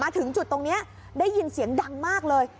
ถึงจุดตรงนี้ได้ยินเสียงดังมากเลย